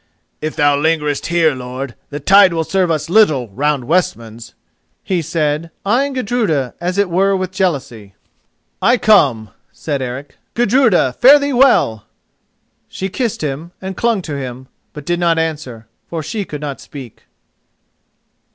"If thou lingerest here, lord, the tide will serve us little round Westmans," he said, eyeing Gudruda as it were with jealousy. "I come," said Eric. "Gudruda, fare thee well!" She kissed him and clung to him, but did not answer, for she could not speak.